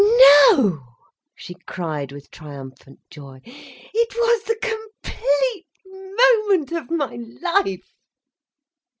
"No," she cried, with triumphant joy. "It was the complete moment of my life."